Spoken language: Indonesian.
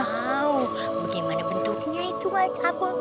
gauh gimana bentuknya itu abon